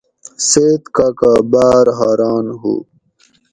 سید کاکہ باۤر حاران ہُو